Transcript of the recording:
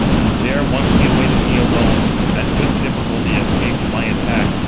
There once he awaited me alone, and with difficulty escaped my attack.